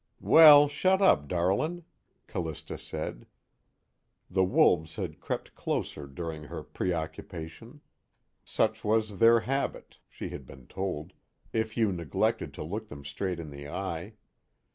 "Well, shut up, darlin'," Callista said. The wolves had crept closer during her preoccupation. Such was their habit (she had been told) if you neglected to look them straight in the eye.